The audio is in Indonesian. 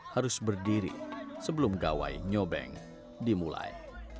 harus berdiri sebelum gawai nyobeng dimulai